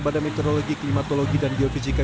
badan meteorologi klimatologi dan geofisika